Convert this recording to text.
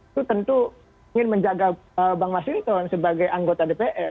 itu tentu ingin menjaga bang mas hinton sebagai anggota dpr